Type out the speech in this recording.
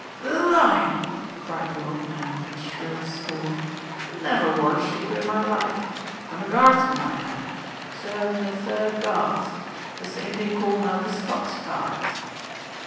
"The line?" cried the old man, with shrill scorn. "Never wore a shako in my life. I am a guardsman, I am. Served in the Third Guards the same they call now the Scots Guards.